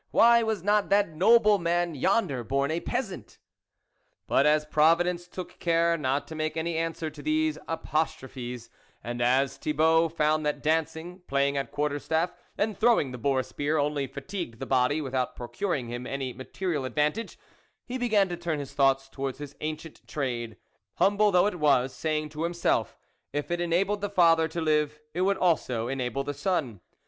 why was not that noble man yonder born a peasant? " But as Providence took care not to make any answer to these apostrophes, and as Thibault found that dancing, playing at quarter staff, and throwing the boar spear only fatigued the body, without procuring him any material advantage, 16 THE WOLF LEADER he began to turn his thoughts towards his ancient trade, humble though it was, saying to himself, if it enabled the father to live, it would also enable the son.